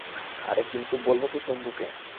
আরে কিন্তু বলবো কী শম্ভুকে?